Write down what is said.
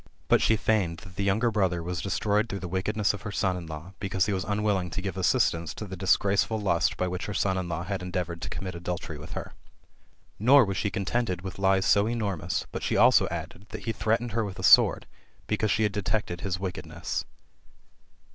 But she feigned that the younger brother was destroyed through the wickedness of her son in law, because he was un willing to give assistance^ to the disgraceful lust by which her son in law had endeavoured to commit adultery with her. Nor was she contented with Ues so enormous, but she also added, that he threatened her with a sword, because she had detected his wickedness.